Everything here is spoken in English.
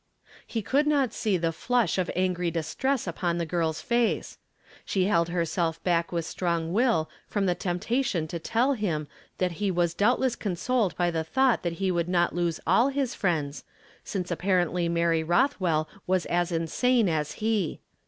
He could not see tlie flush of angry distress upon the girl's face. She held herself back with strong will from the temptation to tell him that he was doubtless consoled by the thought that he would not lose all Ijis friends, since apparently Mui;^ 304 YESTERDAY Fit AM EI) IN TO DAY. ' IT ':'' t Rothwell was as insane as he.